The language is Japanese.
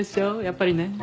やっぱりね。